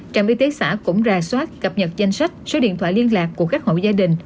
trạm y tế xã cũng ra soát cập nhật danh sách số điện thoại liên lạc của các hộ gia đình